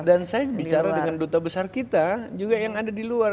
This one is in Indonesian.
dan saya bicara dengan duta besar kita juga yang ada di luar